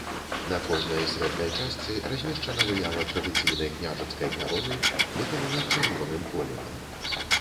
На кожнай срэбнай частцы размешчана выява традыцыйнай княжацкай кароны, выканана чырвоным колерам.